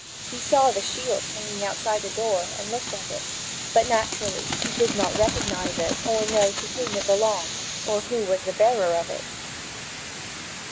He saw the shield hanging outside the door, and looked at it: but naturally he did not recognise it or know to whom it belonged, or who was the bearer of it.